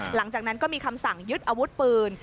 หลังจากนั้นก็มีคำสั่งยึดอาวุธปืน